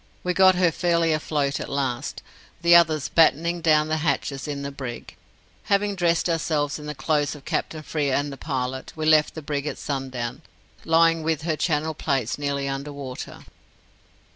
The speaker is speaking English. We got her fairly afloat at last, the others battening down the hatches in the brig. Having dressed ourselves in the clothes of Captain Frere and the pilot, we left the brig at sundown, lying with her channel plates nearly under water.